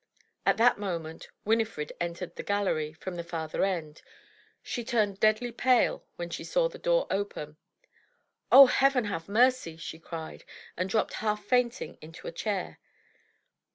At that moment Winifred entered the gallery from the farther end. She turned deadly pale when she saw the open door. "Oh! Heaven have mercy!" she cried, and dropped half fainting into a chair.